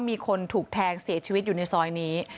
มีคนถูกแทงเสียชีวิตอยู่ในซอยนี้